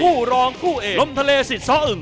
ผู้รองผู้เอกลมทะเลศิษฐ์ซ้ออึง